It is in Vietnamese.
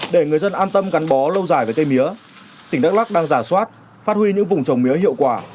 để người dân an tâm gắn bó lâu dài với cây mía tỉnh đắk lắc đang giả soát phát huy những vùng trồng mía hiệu quả